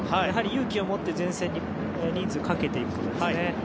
やはり、勇気を持って前線に人数をかけていくことですね。